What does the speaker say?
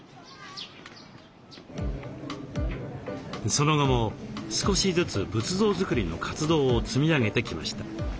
その後も少しずつ仏像作りの活動を積み上げてきました。